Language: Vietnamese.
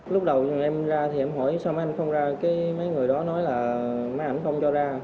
lúc đầu em ra thì em hỏi sao mấy anh không ra mấy người đó nói là máy ảnh không cho ra